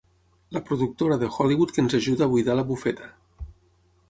La productora de Hollywood que ens ajuda a buidar la bufeta.